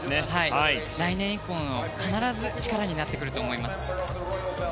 来年以降の、必ず力になってくると思います。